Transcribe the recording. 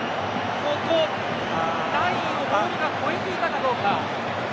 ラインをボールが越えていたかどうか。